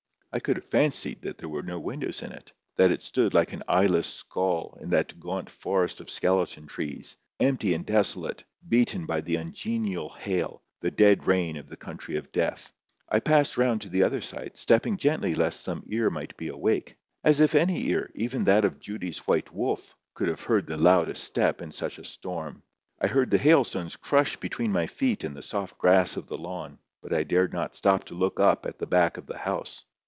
I could have fancied that there were no windows in it, that it stood, like an eyeless skull, in that gaunt forest of skeleton trees, empty and desolate, beaten by the ungenial hail, the dead rain of the country of death. I passed round to the other side, stepping gently lest some ear might be awake—as if any ear, even that of Judy's white wolf, could have heard the loudest step in such a storm. I heard the hailstones crush between my feet and the soft grass of the lawn, but I dared not stop to look up at the back of the house.